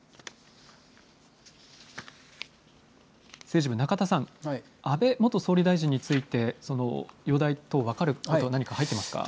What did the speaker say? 政治部、中田さん、安倍元総理大臣について、容体等、分かることは何か入っていますか？